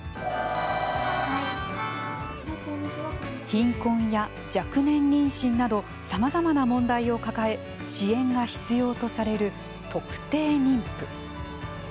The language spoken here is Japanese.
貧困や若年妊娠などさまざまな問題を抱え支援が必要とされる特定妊婦。